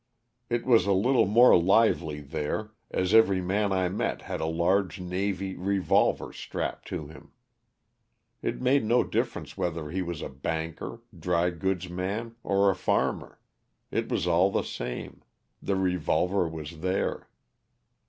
It was a little more lively there, as every man I met had a large navy revolver strapped to him. It made no dif ference whether he was a banker, dry goods man or a farmer; it was all the same, the revolver was there.